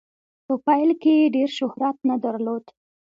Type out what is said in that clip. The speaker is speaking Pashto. په پیل کې یې ډیر شهرت نه درلود.